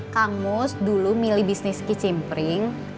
kang mus dulu milih bisnis kicimpering